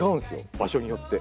場所によって。